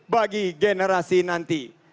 bagi generasi nanti